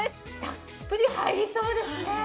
たっぷり入りそうですね。